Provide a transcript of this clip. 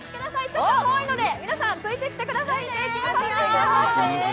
ちょっと遠いので、皆さんついてきてくださいね。